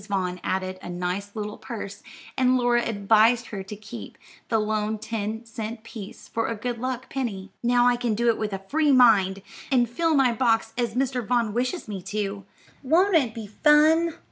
Vaughn added a nice little purse, and Laura advised her to keep the lone ten cent piece for a good luck penny. "Now I can do it with a free mind, and fill my box as Mr. Vaughn wishes me to. Won't it be fun?"